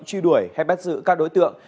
truy đuổi hay bắt giữ các đối tượng